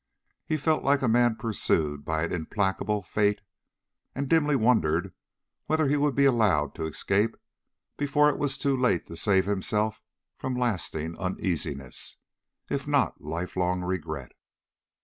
He felt like a man pursued by an implacable fate, and dimly wondered whether he would be allowed to escape before it was too late to save himself from lasting uneasiness, if not lifelong regret.